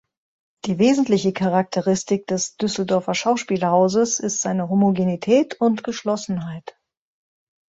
Die wesentliche Charakteristik des Düsseldorfer Schauspielhauses ist seine Homogenität und Geschlossenheit.